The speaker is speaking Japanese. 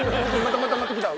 また来た。